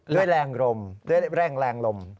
ด้วยแรงลมด้วยแรงลม